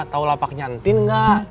tahu lapaknya ntin enggak